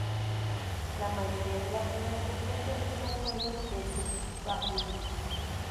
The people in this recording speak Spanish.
La mayoría de la población pertenece al pueblo beti-pahuin.